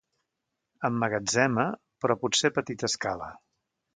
Emmagatzema, però potser a petita escala.